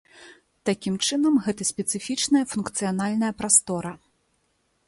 Такім чынам гэта спецыфічная функцыянальная прастора.